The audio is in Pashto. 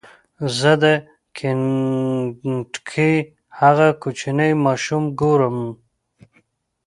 زه د کینټکي هغه کوچنی ماشوم ګورم.